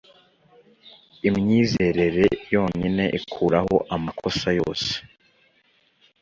imyizerere yonyine ikuraho amakosa yose